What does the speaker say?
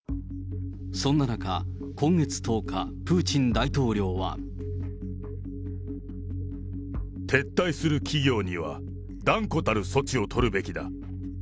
そんな中、今月１０日、プーチン大統領は。撤退する企業には断固たる措置を取るべきだ。